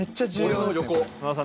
俺の横。